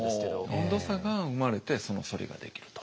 温度差が生まれてその反りができると。